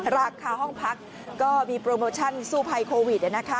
ราคาห้องพักก็มีโปรโมชั่นสู้ภัยโควิด